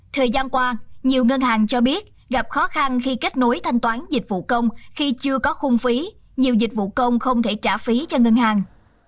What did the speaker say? thời gian qua nhiều ngân hàng cho biết gặp khó khăn khi kết nối thanh toán dịch vụ công khi chưa có khung phí nhiều dịch vụ công không thể trả phí cho ngân hàng